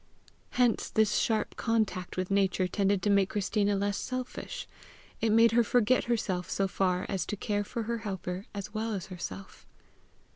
Hence this sharp contact with Nature tended to make Christina less selfish: it made her forget herself so far as to care for her helper as well as herself.